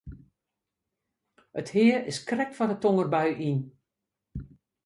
It hea is krekt foar de tongerbui yn.